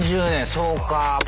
そうか。